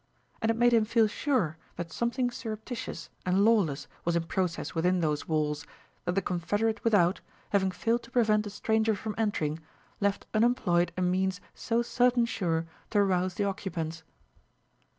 And it made him feel sure that something surreptitious and lawless was in process within those walls, that the confederate without, having failed to prevent a stranger from entering, left unemployed a means so certain sure to rouse the occupants.